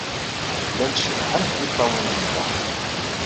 Llant cebḥent tiṭṭawin-nteɣ.